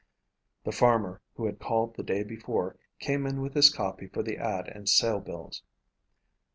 The farmer who had called the day before came in with his copy for the ad and sale bills.